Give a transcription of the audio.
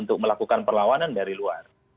untuk melakukan perlawanan dari luar